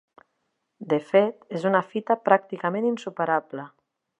De fet, és una fita pràcticament insuperable.